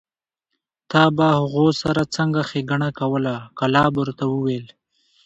تا به هغو سره څنګه ښېګڼه کوله؟ کلاب ورته وویل: